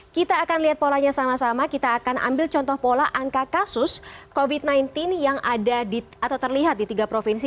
kita akan lihat polanya sama sama kita akan ambil contoh pola angka kasus covid sembilan belas yang ada atau terlihat di tiga provinsi